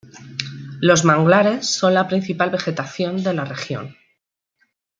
Los manglares son la principal vegetación de la región.